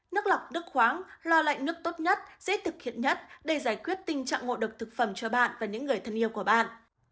nước lọc nước khoáng loa lạnh nước tốt nhất dễ thực hiện nhất để giải quyết tình trạng ngộ độc thực phẩm cho bạn và những người thân yêu của bạn